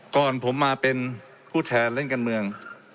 ก่อนผมมาเป็นผู้แทนเล่นการเมือง